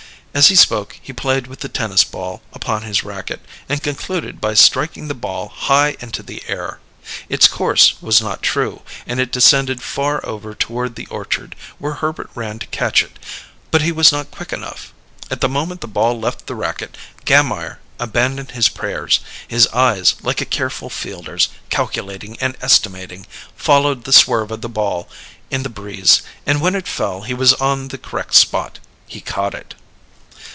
As he spoke he played with the tennis ball upon his racket, and concluded by striking the ball high into the air. Its course was not true; and it descended far over toward the orchard, where Herbert ran to catch it but he was not quick enough. At the moment the ball left the racket Gammire abandoned his prayers: his eyes, like a careful fielder's, calculating and estimating, followed the swerve of the ball in the breeze, and when it fell he was on the correct spot. He caught it.